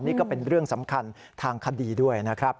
นี่ก็เป็นเรื่องสำคัญทางคดีด้วยนะครับ